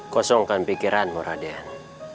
kosongkan pikiranmu raden